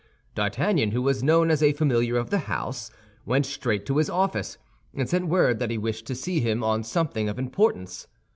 D'Artagnan, who was known as a familiar of the house, went straight to his office, and sent word that he wished to see him on something of importance.